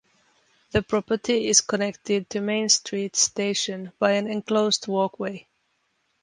The property is connected to Main Street Station by an enclosed walkway.